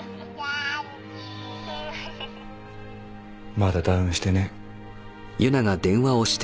まだダウンしてねえ。